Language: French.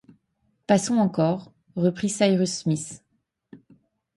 Passons encore, reprit Cyrus Smith